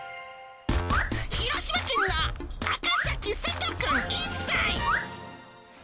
広島県の赤崎瀬人くん１歳。